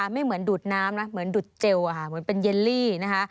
ไม่เหมือนดูดน้ำนะเหมือนดูดเจลเหมือนเป็นเยลลี่นะคะ